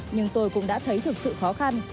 nhưng tôi cũng đã thấy thực sự khó khăn